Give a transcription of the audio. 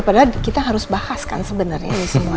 padahal kita harus bahas kan sebenernya